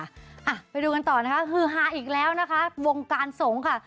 อ่ะไปดูกันต่อนะคะฮือฮาอีกแล้วนะคะวงการสงฆ์ค่ะ